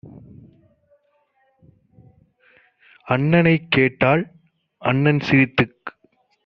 அண்ணனைக் கேட்டாள். அண்ணன் சிரித்துக்